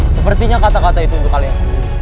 sepertinya kata kata itu untuk kalian